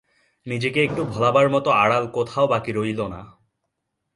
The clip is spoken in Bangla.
নিজেকে একটু ভোলাবার মতো আড়াল কোথাও বাকি রইল না।